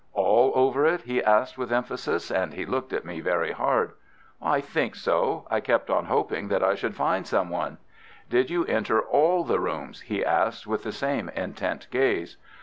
"All over it?" he asked, with emphasis, and he looked at me very hard. "I think so. I kept on hoping that I should find someone." "Did you enter all the rooms?" he asked, with the same intent gaze.